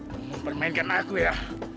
kamu mau bermain dengan aku ya